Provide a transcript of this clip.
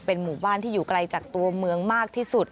หมู่บ้านที่อยู่ไกลจากตัวเมืองมากที่สุด